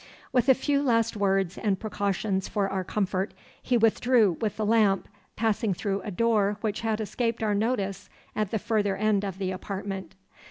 With a few last words and precautions for our comfort he withdrew with the lamp, passing through a door which had escaped our notice at the further end of the apartment.